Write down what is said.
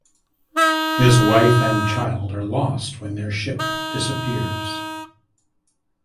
His wife and child are lost when their ship disappears.